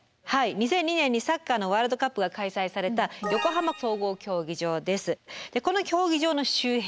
２００２年にサッカーのワールドカップが開催されたこの競技場の周辺。